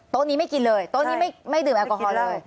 นี้ไม่กินเลยโต๊ะนี้ไม่ดื่มแอลกอฮอล์เลย